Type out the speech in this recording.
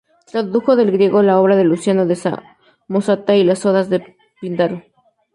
Tradujo del griego la obra de Luciano de Samosata y las "Odas" de Píndaro.